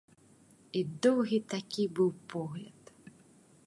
І доўгі такі быў погляд.